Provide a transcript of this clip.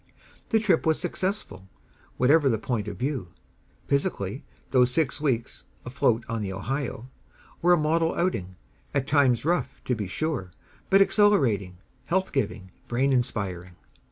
The trip was successful, whatever the point of view. Physically, those six weeks "Afloat on the Ohio" were a model outing at times rough, to be sure, but exhilarating, health giving, brain inspiring.